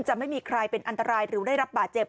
จะไม่มีใครเป็นอันตรายหรือได้รับบาดเจ็บ